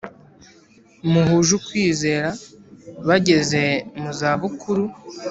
Muhuje ukwizera bageze mu zabukuru